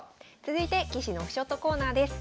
続いて棋士のオフショットコーナーです。